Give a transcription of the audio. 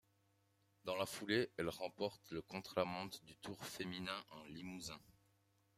Dans la foulée, elle remporte le contre-la-montre du Tour féminin en Limousin.